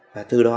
và từ đó